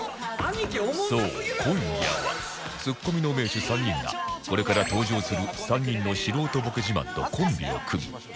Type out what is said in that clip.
そう今夜はツッコミの名手３人がこれから登場する３人の素人ボケ自慢とコンビを組み